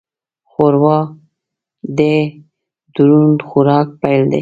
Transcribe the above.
ښوروا د دروند خوراک پیل دی.